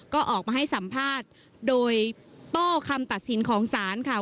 ก็ออกมาให้สัมภาษณ์โดยโต้คำตัดสินของศาลค่ะ